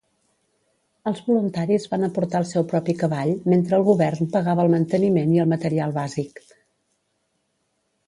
Els voluntaris van aportar el seu propi cavall mentre el govern pagava el manteniment i el material bàsic.